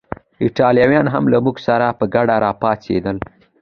ایټالویان هم له موږ سره په ګډه راپاڅېدل.